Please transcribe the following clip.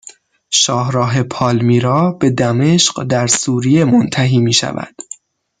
شاهراه پالمیرا به دمشق در سوریه منتهی میشود